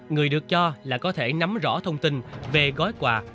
người được cho là có thể nắm rõ thông tin về gói quà